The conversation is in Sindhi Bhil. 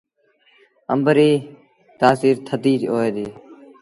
آݩب ريٚ تآسيٚر ٿڌي هوئي ديٚ۔